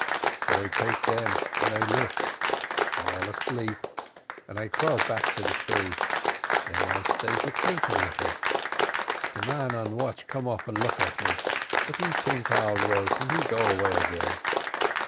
So I take them and I look all asleep, and I crawl back to de tree. Den I stay to tink a little; de man on watch come up and look at me, but he tink all right and he go away again.